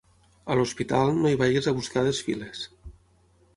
A l'hospital, no hi vagis a buscar desfiles.